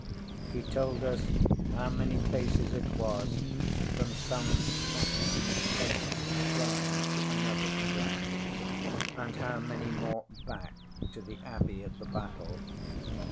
ŌĆØ He told us how many paces it was from some Saxon SaintŌĆÖs shrine to another shrine, and how many more back to the Abbey of the Battle.